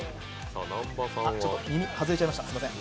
耳外れちゃいました、すみません。